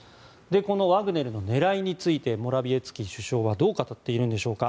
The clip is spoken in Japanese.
このワグネルの狙いについてモラビエツキ首相はどう語っているんでしょうか。